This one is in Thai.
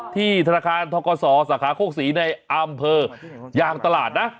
ธนาคารทกศสาขาโคกศรีในอำเภอยางตลาดนะ